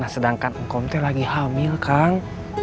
sedangkan engkaute lagi hamil kang